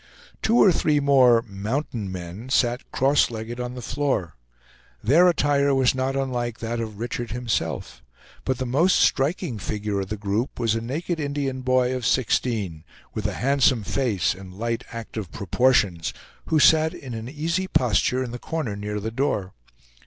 Two or three more "mountain men" sat cross legged on the floor. Their attire was not unlike that of Richard himself; but the most striking figure of the group was a naked Indian boy of sixteen, with a handsome face, and light, active proportions, who sat in an easy posture in the corner near the door.